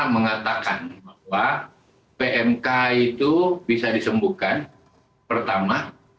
mengatakan bahwa pmk itu bisa disembuhkan pertama